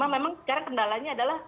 memang sekarang kendalanya adalah